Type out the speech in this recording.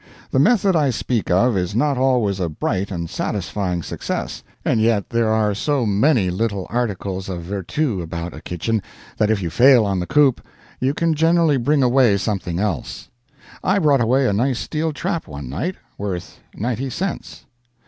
The method I speak of is not always a bright and satisfying success, and yet there are so many little articles of VERTU about a kitchen, that if you fail on the coop you can generally bring away something else. I brought away a nice steel trap one night, worth ninety cents.